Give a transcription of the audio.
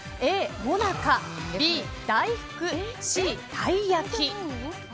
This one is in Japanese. Ａ、もなかＢ、大福Ｃ、たい焼き。